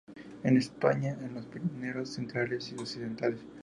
En España en los Pirineos centrales y occidentales.